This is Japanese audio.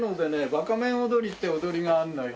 ばか面踊りって踊りがあるのよ。